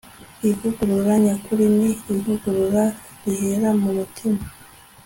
ivugurura nyakuri ni ivugurura rihera mu mutima